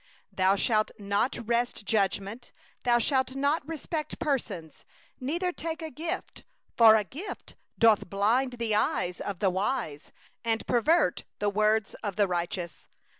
19Thou shalt not wrest judgment; thou shalt not respect persons; neither shalt thou take a gift; for a gift doth blind the eyes of the wise, and pervert the words of the righteous.